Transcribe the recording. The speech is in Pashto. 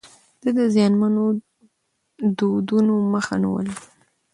ده د زيانمنو دودونو مخه نيوله.